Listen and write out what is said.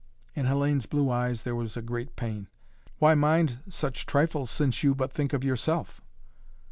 In Hellayne's blue eyes there was a great pain. "Why mind such trifles since you but think of yourself?"